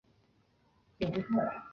曾铣人。